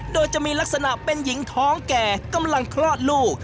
โดยจะมีลักษณะเป็นหญิงท้องแก่กำลังคลอดลูก